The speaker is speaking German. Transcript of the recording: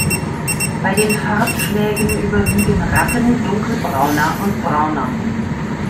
Bei den Farbschlägen überwiegen Rappen, Dunkelbrauner und Brauner.